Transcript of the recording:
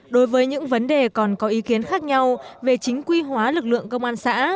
đối với những vấn đề còn có ý kiến khác nhau về chính quy hóa lực lượng công an xã